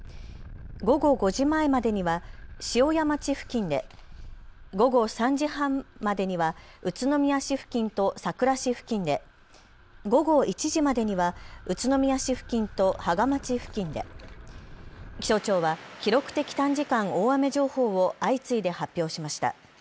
午後５時前までには塩谷町付近で、午後３時半までには宇都宮市付近とさくら市付近で、午後１時までには宇都宮市付近と芳賀町付近で、気象庁は記録的短時間大雨情報を相次いで発表しました。